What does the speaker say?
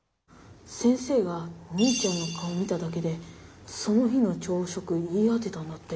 先生がお兄ちゃんの顔を見ただけでその日の朝食言い当てたんだって。